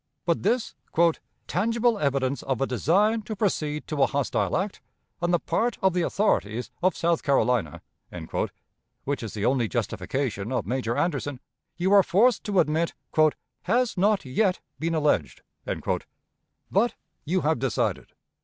But this "tangible evidence of a design to proceed to a hostile act, on the part of the authorities of South Carolina" (which is the only justification of Major Anderson), you are forced to admit "has not yet been alleged." But you have decided.